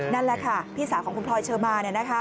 นั่นแหละค่ะพี่สาวของคุณพลอยเชอร์มา